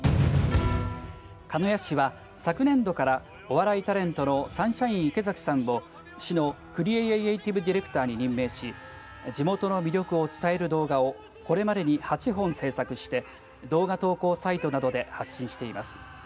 鹿屋市は昨年度からお笑いタレントのサンシャイン池崎さんを市のクリイエェェェーイティブディレクターに任命し地元の魅力を伝える動画をこれまでに８本制作して動画投稿サイトなどで発信しています。